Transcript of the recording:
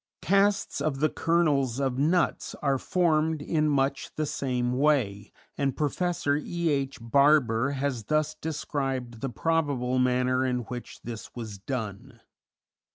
Casts of the kernels of nuts are formed in much the same way, and Professor E. H. Barbour has thus described the probable manner in which this was done.